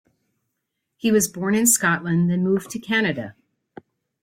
He was born in Scotland, then moved to Canada.